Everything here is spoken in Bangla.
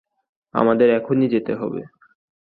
আমাদের এখনই যেতে হবে!